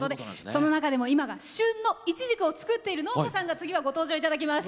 その中でも今が旬のいちじくを作ってる農家さんが次はご登場いただきます。